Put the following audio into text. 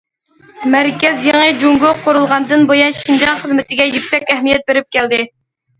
مەركەز يېڭى جۇڭگو قۇرۇلغاندىن بۇيان، شىنجاڭ خىزمىتىگە يۈكسەك ئەھمىيەت بېرىپ كەلدى.